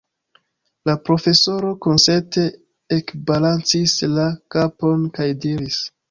La profesoro konsente ekbalancis la kapon kaj diris: